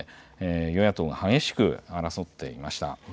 与野党が激しく争っています。